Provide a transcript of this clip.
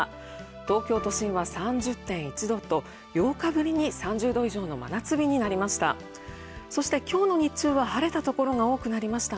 東京都心は３０．１度と８日ぶりに３０度以上の真夏日になりました。